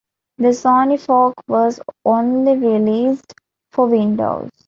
The Sony fork was only released for Windows.